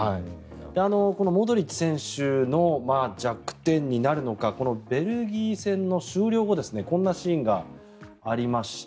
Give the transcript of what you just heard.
このモドリッチ選手の弱点になるのかベルギー戦の終了後こんなシーンがありました。